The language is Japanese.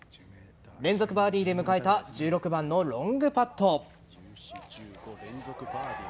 連続バーディーで迎えた１６番のロングパット。